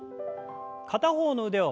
片方の腕を前に。